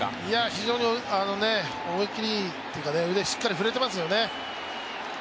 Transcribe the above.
非常に思い切りいいというか、腕しっかり振れてますよね。